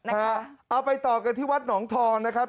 เอาไปต่อกันที่วัดหนองทองนะครับ